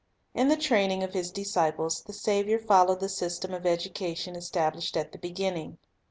In the training of His disciples the Saviour followed the system of education established at the beginning.